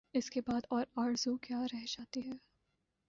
اس کے بعد اور آرزو کیا رہ جاتی ہے؟